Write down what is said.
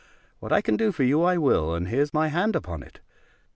What I can do for you, I will, and here's my hand upon it."